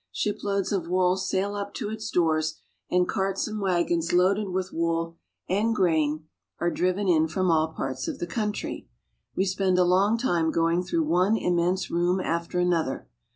Shiploads of wool sail up to its doors, and carts and wagons loaded with wool and grain are driven in from all parts of the country. We spend a long time going through one immense room after another.